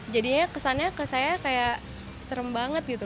jadinya kesannya ke saya kayak serem banget gitu